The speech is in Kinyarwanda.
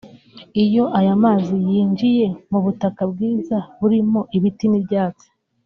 “Iyo aya mazi yinjiye mu butaka bwiza burimo ibiti n’ibyatsi